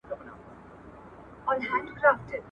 په تور تم کي په تیاروکي لاري ویني .